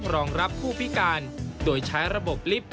รองรับผู้พิการโดยใช้ระบบลิฟต์